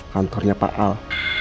kantornya pak al